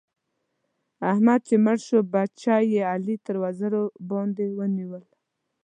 احمد چې مړ شو؛ بچي يې علي تر وزر باندې ونيول.